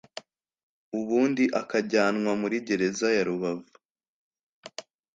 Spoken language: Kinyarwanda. ubundi akajyanwa muri Gereza ya Rubavu